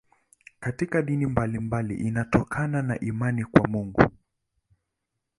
Katika dini mbalimbali inatokana na imani kwa Mungu.